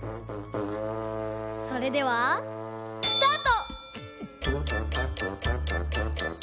それではスタート！